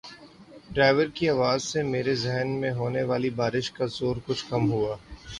driver کی آواز سے میرے ذہن میں ہونے والی بار ش کا زور کچھ کم ہوا